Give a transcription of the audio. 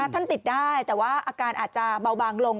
ท่านติดได้แต่ว่าอาการอาจจะเบาบางลง